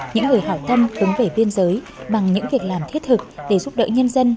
những người hảo tâm đứng về biên giới bằng những việc làm thiết thực để giúp đỡ nhân dân